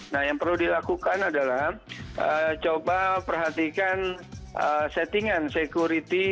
nah yang perlu dilakukan adalah coba perhatikan settingan security